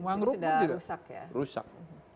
mangrum juga itu sudah rusak ya rusak